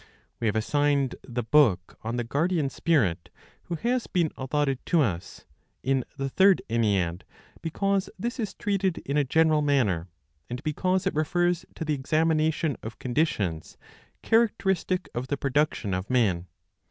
We have assigned the book on the Guardian Spirit Who has been Allotted to Us, in the Third Ennead, because this is treated in a general manner, and because it refers to the examination of conditions characteristic of the production of man.